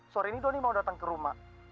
sore ini doni mau datang ke rumah